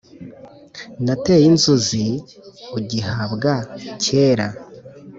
Nateye inzuzi ugihabwa kera